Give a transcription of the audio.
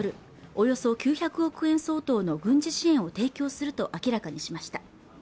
およそ９００億円相当の軍事支援を提供すると明らかにしました